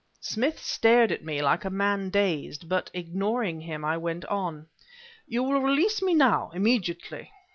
Smith stared at me like a man dazed; but, ignoring him, I went on: "You will release me, now, immediately.